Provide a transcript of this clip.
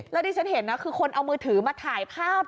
แล้วที่ฉันเห็นนะคือคนเอามือถือมาถ่ายภาพ